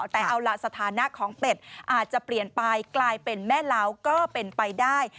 แต่เอาล่ะสถานะของเป็ดอาจจะเปลี่ยนไปกลายเป็นแม่เล้าก็เป็นไปได้